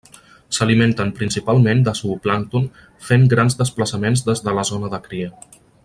S'alimenten principalment de zooplàncton fent grans desplaçaments des de la zona de cria.